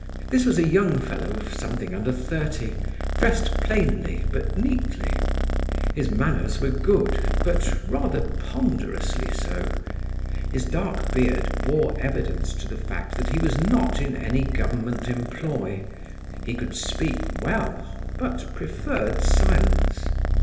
This was a young fellow of something under thirty, dressed plainly, but neatly. His manners were good, but rather ponderously so. His dark beard bore evidence to the fact that he was not in any government employ. He could speak well, but preferred silence.